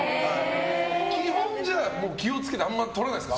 基本気を付けてあんまり脂とらないですか？